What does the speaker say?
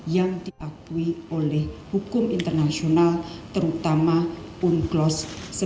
yang diakui oleh hukum internasional terutama unclos seribu sembilan ratus delapan puluh dua